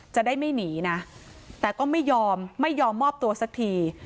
จะได้ไม่หนีนะแต่ก็ไม่ยอมไม่ยอมมอบตัวสักที